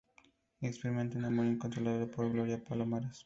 Experimenta un amor incontrolable por Gloria Palomares.